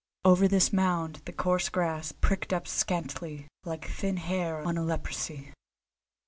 Over this mound the coarse grass pricked up scantily, like thin hair on a leprosy.